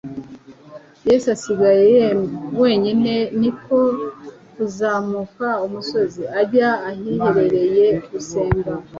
Yesu asigaye wenyine "Niko kuzamuka umusozi, ajya ahiherereye gusenga".